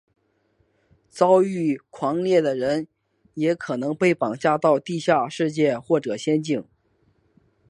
遭遇狂猎的人也可能被绑架到地下世界或者仙境。